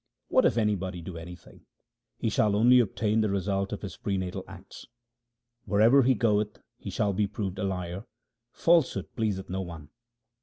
What if anybody do anything ? he shall only obtain the result of his prenatal acts. Wherever he goeth he shall be proved a liar ; falsehood pleaseth no one.